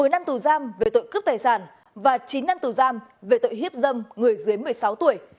một mươi năm tù giam về tội cướp tài sản và chín năm tù giam về tội hiếp dâm người dưới một mươi sáu tuổi